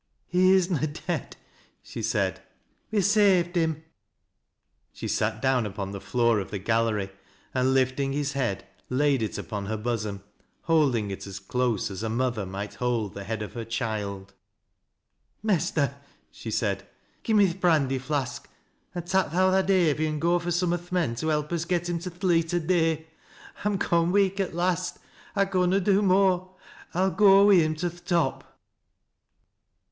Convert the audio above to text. " He is na dead," she said. " We ha' saved him." She sat down upon the floor of the gallery and lifting his head laid it upon her bosom, holding it close as a mother might hold the head of her child. " Mester," she said, " gi' me th' brandy flask, and tak' • thou thy Davy an' go fur some o' th' men to help us get him to th' leet o' day. I'm gone weak at last. I conna do no more. I'll go wi' him to th' top."